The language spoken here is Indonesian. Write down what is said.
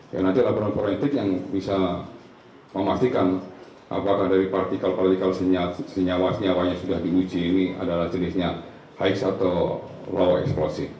ya nanti laporan forensik yang bisa memastikan apakah dari partikel partikel senyawa senyawa yang sudah diuji ini adalah jenisnya high atau low explosive